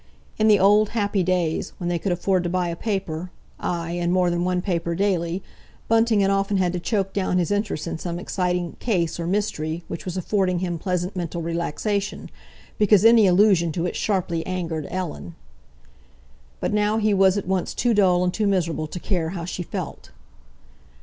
In the old, happy days, when they could afford to buy a paper, aye, and more than one paper daily, Bunting had often had to choke down his interest in some exciting "case" or "mystery" which was affording him pleasant mental relaxation, because any allusion to it sharply angered Ellen. But now he was at once too dull and too miserable to care how she felt.